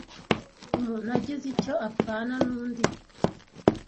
umuntu agize icyo apfana n undi